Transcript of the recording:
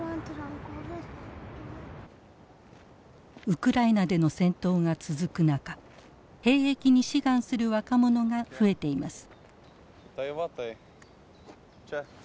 ウクライナでの戦闘が続く中兵役に志願する若者が増えています。